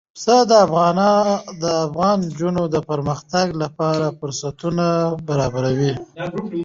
پسه د افغان نجونو د پرمختګ لپاره فرصتونه برابروي.